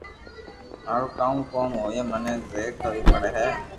مارو ڪاو ھوئي مني زبر ڪوئي پڙو